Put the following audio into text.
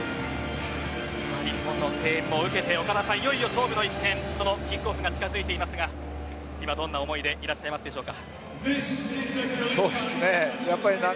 日本のいよいよ勝負の一戦このキックオフが近づいていますが今、どんな思いでいらっしゃいますでしょうか。